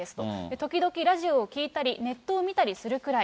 時々ラジオを聞いたり、ネットを見たりするくらい。